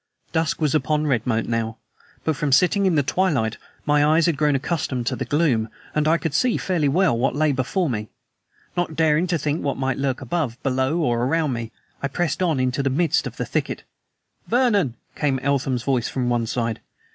Dusk was upon Redmoat now, but from sitting in the twilight my eyes had grown accustomed to gloom, and I could see fairly well what lay before me. Not daring to think what might lurk above, below, around me, I pressed on into the midst of the thicket. "Vernon!" came Eltham's voice from one side.